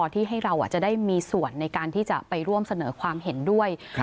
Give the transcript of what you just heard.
ที่ให้เราจะได้มีส่วนในการที่จะไปร่วมเสนอความเห็นด้วย